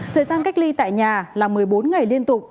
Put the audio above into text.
thời gian cách ly tại nhà là một mươi bốn ngày liên tục